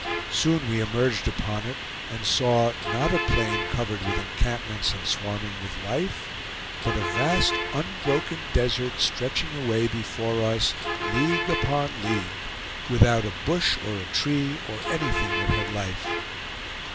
Soon we emerged upon it, and saw, not a plain covered with encampments and swarming with life, but a vast unbroken desert stretching away before us league upon league, without a bush or a tree or anything that had life.